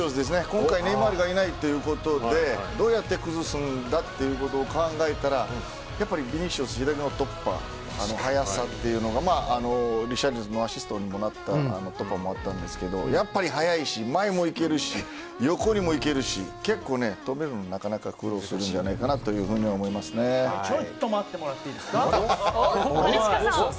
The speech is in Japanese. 今回、ネイマールがいないということでどうやって崩すんだということを考えたらやっぱりヴィニシウス突破、素早さというのがリシャルリソンのアシストにもなったのかなと思ったのですけどやっぱり速いし前も行けるし横にも行けるし結構、止めるのはなかなか苦労するんじゃないかなちょっと待ってもらって兼近さん。